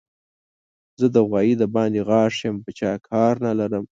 زه د غوايي د باندې غاښ يم؛ په چا کار نه لرم.